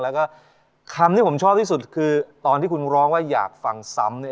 แล้วก็คำที่ผมชอบที่สุดคือตอนที่คุณร้องว่าอยากฟังซ้ำเนี่ย